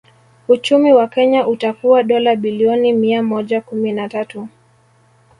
Uchumi wa Kenya utakuwa dola bilioni mia moja kumi na tatu